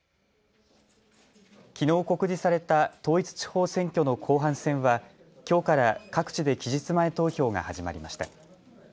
きのう告示された統一地方選挙の後半戦はきょうから各地で期日前投票が始まりました。